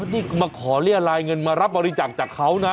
ที่มาขอเรียรายเงินมารับบริจาคจากเขานะ